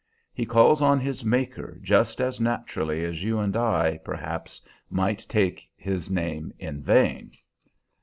He calls on his Maker just as naturally as you and I, perhaps, might take his name in vain."